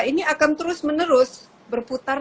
ini akan terus menerus berputar